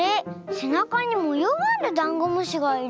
せなかにもようがあるダンゴムシがいる。